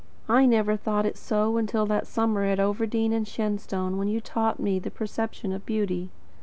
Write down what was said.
I never thought it so until that summer at Overdene and Shenstone when you taught me the perception of beauty.